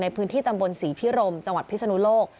ในพื้นที่ตำบลศรีพิรมจังหวัดพิศนุโลก